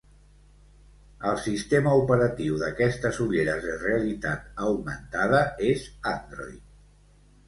El sistema operatiu d'aquestes ulleres de realitat augmentada és Android.